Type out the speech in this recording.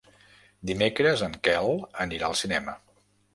Dimecres en Quel anirà al cinema.